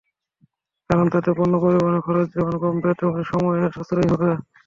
কারণ তাতে পণ্য পরিবহনের খরচ যেমন কমবে, তেমনি সময়েরও সাশ্রয় হবে।